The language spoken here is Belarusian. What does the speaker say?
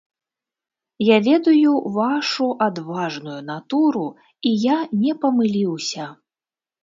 Я ведаю вашу адважную натуру, і я не памыліўся.